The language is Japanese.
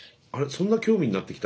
そんな興味になってきた？